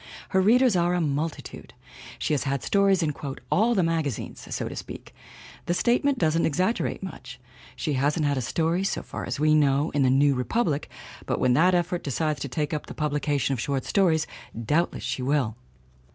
Her readers are a mul titude ! She has had stories in "all the magazines," so to speak ; the statement doesn't exaggerate much. She hasn't had a story, so far as we know, in the New Re public but when that Effort decides to take up the pub lication of short stories doubtless she will!